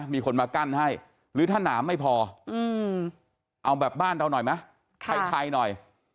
มีคนมากั้นให้หรือถ้าหนามไม่พอเอาแบบบ้านเราหน่อยไหมไทยหน่อย